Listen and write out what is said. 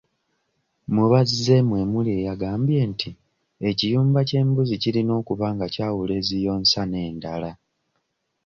Mu bazze mwe muli eyagambye nti ekiyumba ky'embuzi kirina okuba nga kyawula eziyonsa n'endala.